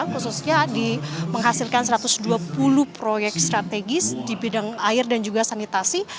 khususnya di menghasilkan satu ratus dua puluh proyek strategis di bidang air dan juga sanitasi